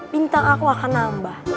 bintang aku akan nambah